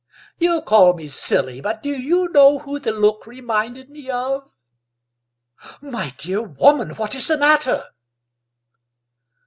You'll call me silly, but do you know who the look reminded me of? My dear woman, what is the matter?"